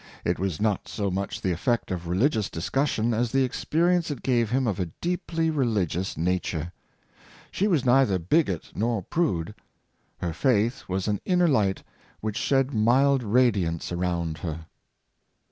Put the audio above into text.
It was not so much the effect of religious discussion, as the experience it gave him of a deeply religious nature. She was neither bigot nor prude. Her faith was an inner light which shed mild radiance around ber.'